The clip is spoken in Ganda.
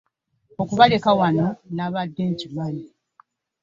Okubaleka wano nabadde nkimanyi.